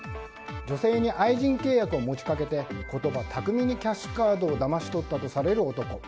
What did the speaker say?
女性に愛人契約を持ち掛けて言葉巧みにキャッシュカードをだまし取ったとされる男。